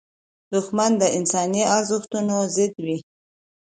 دښمن د انساني ارزښتونو ضد وي